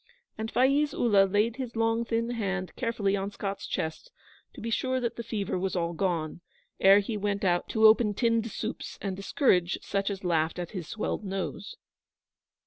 And Faiz Ullah laid his long thin hand carefully on Scott's chest to be sure that the fever was all gone, ere he went out to open tinned soups and discourage such as laughed at his swelled nose.